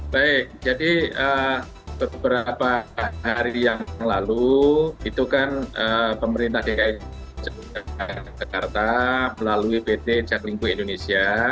baik jadi beberapa hari yang lalu itu kan pemerintah dki jakarta melalui pt injaklinggo indonesia